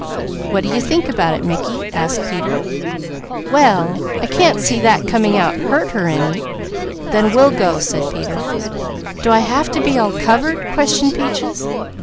"What do you think about it, Mickey?" asked Peter. "Why, I can't see that coming out hurt her any." "Then we'll go," said Peter. "Do I have to be all covered?" questioned Peaches.